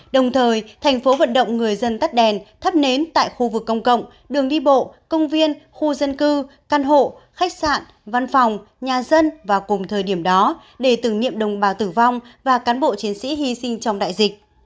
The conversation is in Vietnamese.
đồng thời tp hcm tắt đèn thấp nến tại khu vực công cộng đường đi bộ công viên khu dân cư căn hộ khách sạn văn phòng nhà dân và cùng thời điểm đó để tử nghiệm đồng bào tử vong và cán bộ chiến sĩ hy sinh trong đại dịch